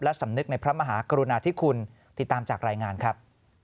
สำนึกในพระมหากรุณาธิคุณติดตามจากรายงานครับ